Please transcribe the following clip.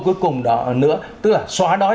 cuối cùng đó nữa tức là xóa đói